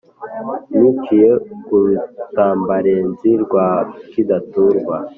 niciye ku rutambabarenzi rwa kidaturwa